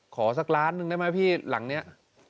สักล้านหนึ่งได้ไหมพี่หลังนี้